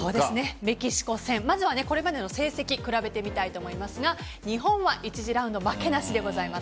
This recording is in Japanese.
メキシコ戦、まずはこれまでの成績比べてみたいと思いますが日本は１次ラウンド負けなしでございます。